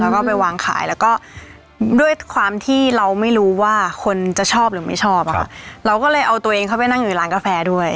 แล้วก็ไปวางขายแล้วก็ด้วยความที่เราไม่รู้ว่าคนจะชอบหรือไม่ชอบอะค่ะเราก็เลยเอาตัวเองเข้าไปนั่งอยู่ร้านกาแฟด้วย